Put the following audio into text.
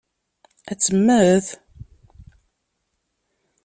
Ad temmet?